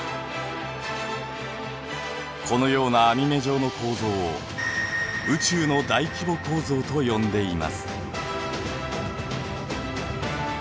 このような網目状の構造を宇宙の大規模構造と呼んでいます。